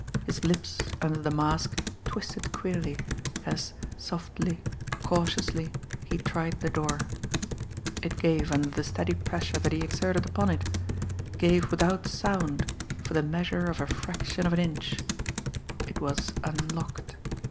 His lips, under the mask, twisted queerly, as, softly, cautiously, he tried the door. It gave under the steady pressure that he exerted upon it gave without sound for the measure of a fraction of an inch it was unlocked.